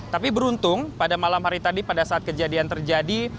tapi beruntung pada malam hari tadi pada saat kejadian terjadi